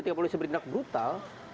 petir polisi bertindak brutal